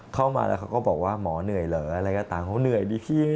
เขามาแล้วเขาก็บอกว่าหมอเหนื่อยเหรอ